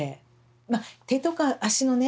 まあ手とか足のね